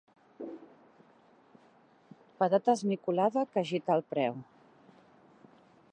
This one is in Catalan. Patata esmicolada que agita el preu.